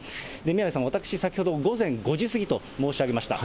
宮根さん、私先ほど、午前５時過ぎと申し上げました。